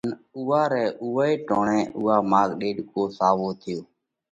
ان اُوئہ رئہ اُوئہ ٽوڻئہ اُوئا ماڳ ڏيڏڪو ساوو ٿيو۔